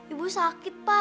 ibu sakit pak